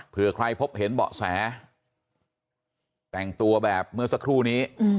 เพื่อใครพบเห็นเบาะแสแต่งตัวแบบเมื่อสักครู่นี้